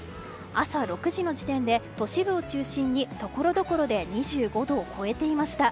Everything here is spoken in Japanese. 朝６時の時点で都市部を中心にところどころで２５度を超えていました。